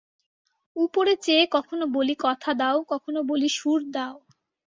উপরে চেয়ে কখনো বলি কথা দাও, কখনো বলি সুর দাও।